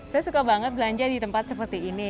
saya suka banget belanja di tempat seperti ini